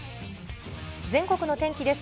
全国の天気です。